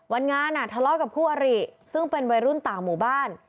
วันงานทะเลาะกับคู่อริซึ่งเป็นวัยรุ่นต่างหมู่บ้าน